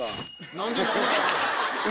何で？